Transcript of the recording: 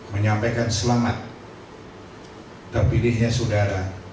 menyampaikan selamat terpilihnya saudara